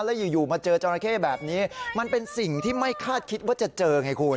แล้วอยู่มาเจอจราเข้แบบนี้มันเป็นสิ่งที่ไม่คาดคิดว่าจะเจอไงคุณ